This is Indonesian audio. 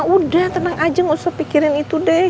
udah tenang aja gak usah pikirin itu deh